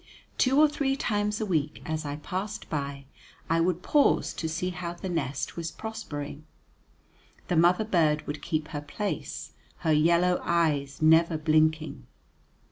Two or three times a week, as I passed by, I would pause to see how the nest was prospering. The mother bird would keep her place, her yellow eyes never blinking.